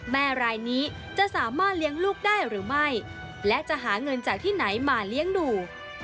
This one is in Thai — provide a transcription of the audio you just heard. แม่รายนี้จะสามารถเลี้ยงลูกได้หรือไม่และจะหาเงินจากที่ไหนมาเลี้ยงดู